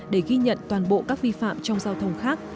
để ghi nhận toàn bộ các vi phạm trong giao thông khác